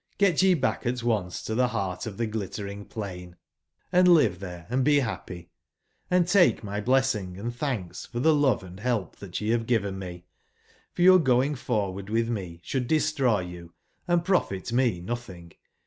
Get ye back at once to tbe beart of tbe Glittering plain, and io8 live there and be bappy ; and take my blessing and thanks for the love and help that ye have given me. for your going forward with me should destroy you and profit me nothing.